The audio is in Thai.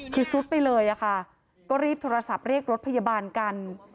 คือซุดไปเลยค่ะก็รีบโทรศัพท์เรียกรถพยาบาลกัน